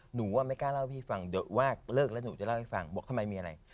หนูว่าไม่กล้าเล่าให้พี่ฟังเดี๋ยวว่าเลิกแล้วหนูจะเล่าให้ฟังบอกทำไมมีอะไร